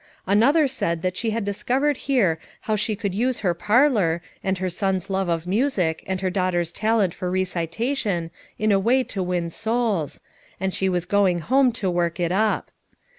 Another said that she had discovered here how she could use her parlor, and her son's love of music and her daughter's talent for recitation in a way to win souls, and she was going home to work it up.